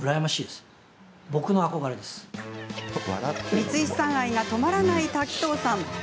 光石さん愛が止まらない滝藤さん。